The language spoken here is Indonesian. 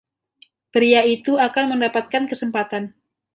Pria itu akan mendapatkan kesempatan.